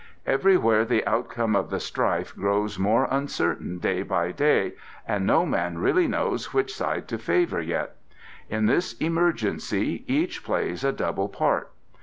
Everywhere the outcome of the strife grows more uncertain day by day and no man really knows which side to favour yet. In this emergency each plays a double part.